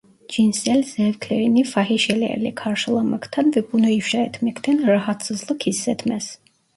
Cinsel zevklerini fahişelerle karşılamaktan ve bunu ifşa etmekten rahatsızlık hissetmez.